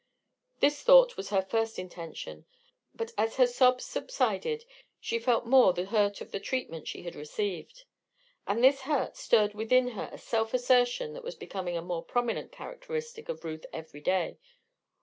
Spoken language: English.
This thought was her first intention; but as her sobs subsided she felt more the hurt of the treatment she had received. And this hurt stirred within her a self assertion that was becoming a more prominent characteristic of Ruth every day.